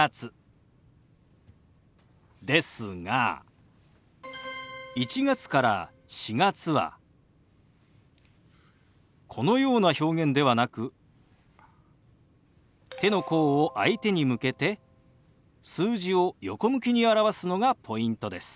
ですが１月から４月はこのような表現ではなく手の甲を相手に向けて数字を横向きに表すのがポイントです。